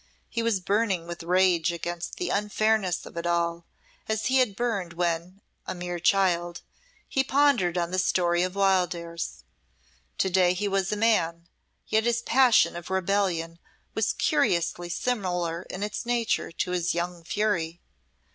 He was burning with rage against the unfairness of it all, as he had burned when, a mere child, he pondered on the story of Wildairs. To day he was a man, yet his passion of rebellion was curiously similar in its nature to his young fury.